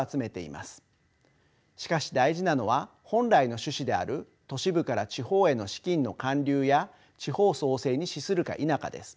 しかし大事なのは本来の趣旨である都市部から地方への資金の還流や地方創生に資するか否かです。